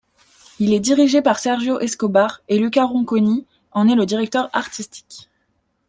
Il est dirigé par Sergio Escobar et Luca Ronconi en est le directeur artistique.